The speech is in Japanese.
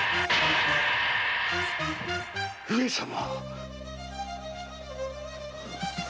上様！